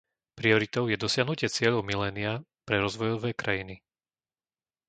Prioritou je dosiahnutie cieľov milénia pre rozvojové krajiny.